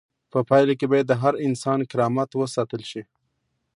په پایله کې باید د هر انسان کرامت وساتل شي.